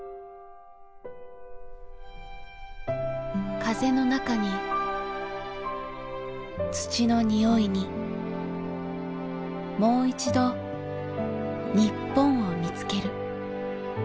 風の中に土の匂いにもういちど日本を見つける。